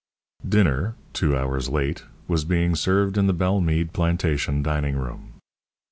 Dinner, two hours late, was being served in the Bellemeade plantation dining room.